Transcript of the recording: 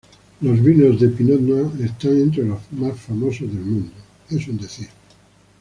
Los vinos de pinot noir están entre los más famosos del mundo.